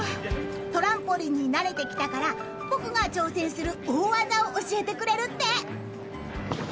［トランポリンに慣れてきたから僕が挑戦する大技を教えてくれるって］